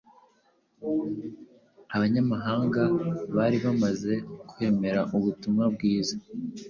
Abanyamahanga bari bamaze kwemera ubutumwa bwiza